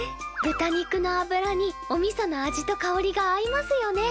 豚肉のあぶらにおみその味とかおりが合いますよね。